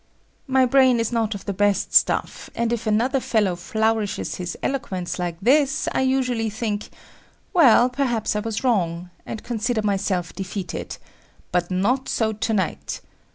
My brain is not of the best stuff, and if another fellow flourishes his eloquence like this, I usually think, "Well, perhaps I was wrong," and consider myself defeated, but not so to night.